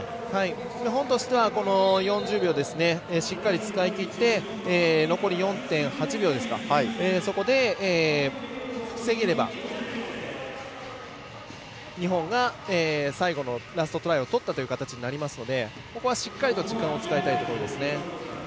日本としては４０秒をしっかり使い切って残り４．８秒そこで、防げれば日本が最後のラストトライをとったという形になりますのでここは、しっかりと時間を使いたいところですね。